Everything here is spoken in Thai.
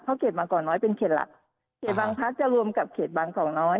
เพราะเขตบางกอกน้อยเป็นเขตหลักเขตบางพัฒน์จะรวมกับเขตบางกอกน้อย